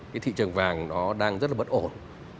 cái thị trường vàng nó đang rất là bất ổn